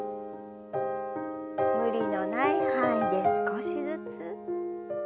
無理のない範囲で少しずつ。